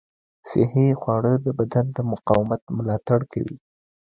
صحي خواړه د بدن د مقاومت ملاتړ کوي.